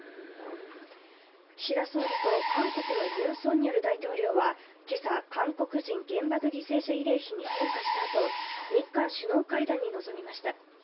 岸田総理と韓国のユン・ソンニョル大統領は今朝、韓国人原爆犠牲者慰霊碑に献花したあと、日韓首脳会談に臨みました。